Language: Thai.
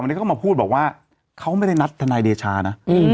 วันนี้เขามาพูดบอกว่าเขาไม่ได้นัดทนายเดชานะ